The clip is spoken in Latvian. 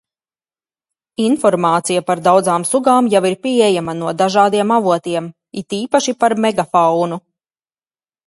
Informācija par daudzām sugām jau ir pieejama no dažādiem avotiem, it īpaši par megafaunu.